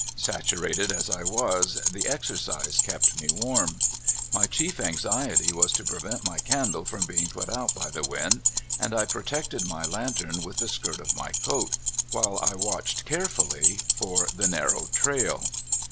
Saturated as I was, the exercise kept me warm. My chief anxiety w^as to prevent my candle from being put out by the wind, and I protected my lantern with the skirt of my coat, while I watched carefully for the narrow^ trail.